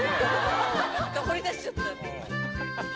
掘りだしちゃった。